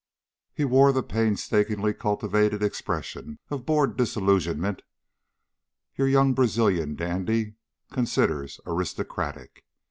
He wore the painstakingly cultivated expression of bored disillusionment your young Brazilian dandy considers aristocratic.